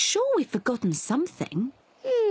うん。